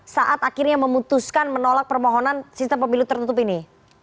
saat akhirnya memutuskan menolak permohonan sistem pemilu tertutup ini